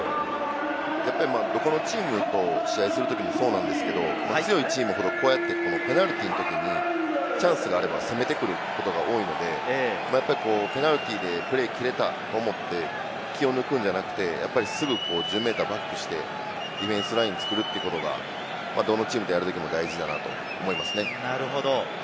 どこのチームと試合するときもそうなんですけど、強いチームほど、こうやってペナルティーのときにチャンスがあれば攻めてくることが多いんで、ペナルティーで切れたと思うのではなく、すぐ１０ｍバックして、ディフェンスラインを作ることがどのチームとやるときも大事だなと思いますね。